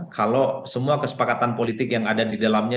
kalau semua kesepakatan politik yang ada di dalamnya